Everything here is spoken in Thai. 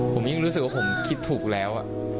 ผมยิ่งรู้สึกว่าผมคิดถูกแล้ว